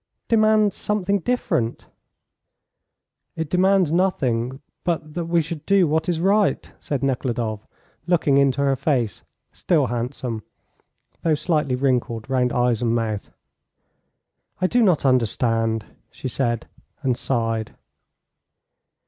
"Demands something different." "It demands nothing but that we should do what is right," said Nekhludoff, looking into her face, still handsome, though slightly wrinkled round eyes and mouth. "I do not understand," she said, and sighed.